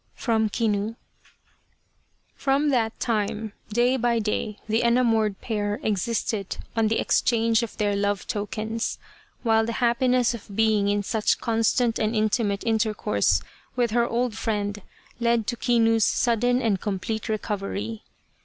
From KINU From that time, day by day, the enamoured pair existed on the exchange of their love tokens, while the happiness of being in such constant and intimate intercourse with her old friend led to Kinu's sudden and complete recovery.